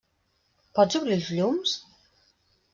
Pots obrir els llums?